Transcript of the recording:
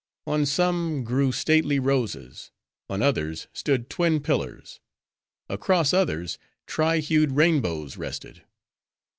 On some, grew stately roses; on others stood twin pillars; across others, tri hued rainbows rested.